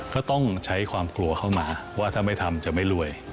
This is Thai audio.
ก็ต้องใช้ความกลัวเข้ามาว่าถ้าไม่ทำจะไม่รวย